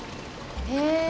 へえ。